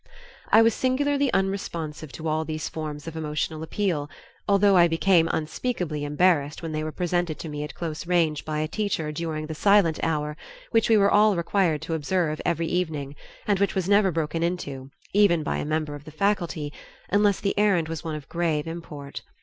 I was singularly unresponsive to all these forms of emotional appeal, although I became unspeakably embarrassed when they were presented to me at close range by a teacher during the "silent hour," which we were all required to observe every evening, and which was never broken into, even by a member of the faculty, unless the errand was one of grave import.